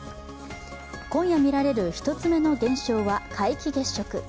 今夜見られる１つ目の現象は皆既月食。